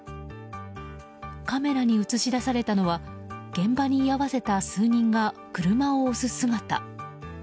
カメラに映し出されたのは現場に居合わせた数人が車を押す姿。